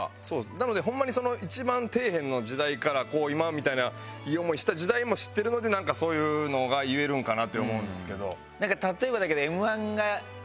なのでホンマにその一番底辺の時代から今みたいないい思いした時代も知ってるのでなんかそういうのが言えるんかなって思うんですけど。